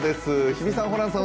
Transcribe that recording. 日比さん、ホランさん